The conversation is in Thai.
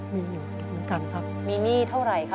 เหมือนกันครับมีหนี้เท่าไหร่คะ